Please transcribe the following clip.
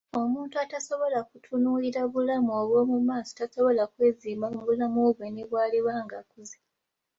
Omuntu atasobola kutunuulira bulamu obwo mu maaso tasobola kwezimba mu bulamu bwe ne bw'aliba ng'akuze.